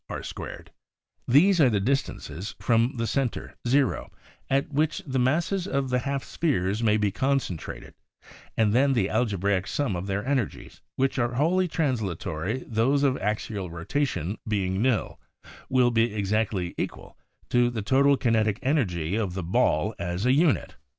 Y% r)2 + 83/320 r2 These are the distances from center 0, at which the masses of the half spheres may be con centrated and then the algebraic sum of their energies — which are wholly translatory those of axial rotation being nil — will be exact ly equal to the total kinetic en ergy of the ball as a unit.